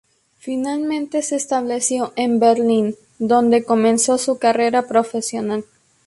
Finalmente se estableció en Berlín donde comenzó su carrera profesional.